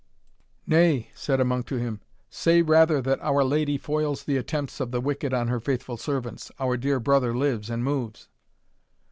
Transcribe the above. "Nay," said a monk to him, "say rather that Our Lady foils the attempts of the wicked on her faithful servants our dear brother lives and moves."